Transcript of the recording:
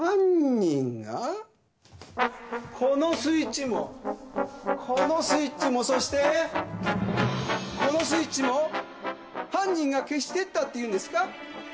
このスイッチもこのスイッチもそしてこのスイッチも犯人が消してったって言うんですか？